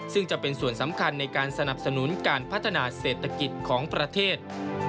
ซึ่งจะเป็นส่วนสำคัญในการสนับสนุนการพัฒนาเศรษฐกิจของประเทศ